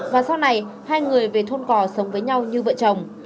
và sau này hai người về thôn cò sống với nhau như vợ chồng